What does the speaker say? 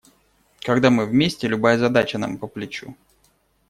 Когда мы вместе, любая задача нам по плечу.